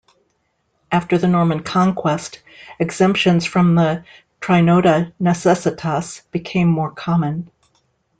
After the Norman Conquest, exemptions from the "trinoda necessitas" became more common.